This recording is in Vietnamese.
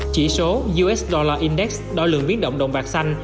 chỉ số usd index đo lượng biến động đồng bạc xanh